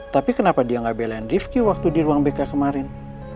tapi kenapa dia gak belain rifki waktu di ruang bk kemarin